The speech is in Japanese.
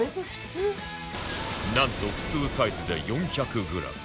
なんと普通サイズで４００グラム